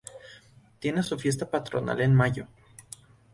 Tiene su fiesta patronal en mayo.